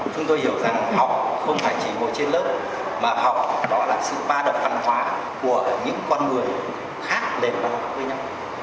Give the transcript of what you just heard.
chúng tôi hiểu rằng học không phải chỉ ngồi trên lớp mà học đó là sự ba đợt văn hóa của những con người khác lề hoa của nhau